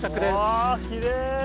わきれい！